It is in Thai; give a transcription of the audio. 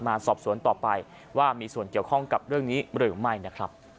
มาสอบสวนต่อไปว่ามีส่วนเกี่ยวข้องกับเรื่องนี้หรือไม่นะครับ